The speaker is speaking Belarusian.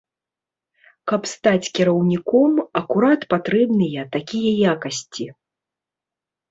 Каб стаць кіраўніком акурат патрэбныя такія якасці.